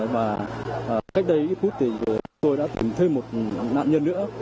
và cách đây ít phút thì tôi đã tìm thêm một nạn nhân nữa